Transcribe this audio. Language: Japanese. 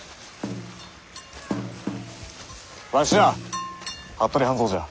わしじゃ服部半蔵じゃ。